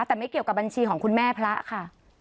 แต่ไม่เกี่ยวกับบัญชีของคุณแม่พระค่ะ